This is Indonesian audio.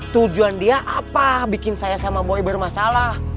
tujuan dia apa bikin saya sama boy bermasalah